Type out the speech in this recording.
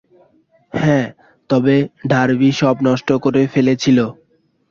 হ্যাঁ, তবে ডার্বি সব নষ্ট করে ফেলেছিলো।